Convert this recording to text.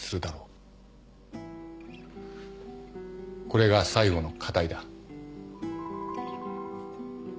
これが最後の課題だ。